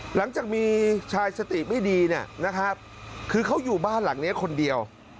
หลังจากมีชายสติไม่ดีเนี่ยนะครับคือเขาอยู่บ้านหลังนี้คนเดียว